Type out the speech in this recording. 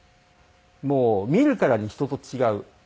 もう見るからに人と違う。